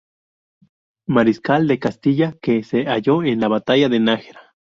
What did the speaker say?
Mariscal de Castilla, que se halló en la Batalla de Nájera.